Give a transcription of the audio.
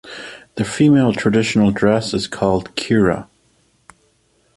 The female traditional dress is called kira.